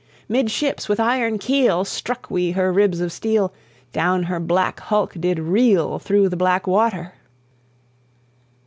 Midships with iron keel Struck we her ribs of steel; Down her black hulk did reel Through the black water!